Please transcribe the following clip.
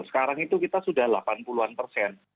sekarang itu kita sudah delapan puluh an persen